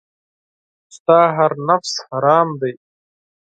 ستا هر نفس حرام دی .